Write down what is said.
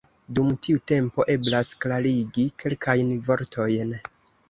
Dum tiu tempo eblas klarigi kelkajn vortojn.